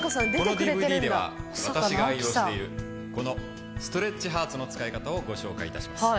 このＤＶＤでは私が愛用しているこのストレッチハーツの使い方をご紹介致します。